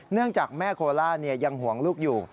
เนื่องจากแม่โคล่ายังห่วงลูกอยู่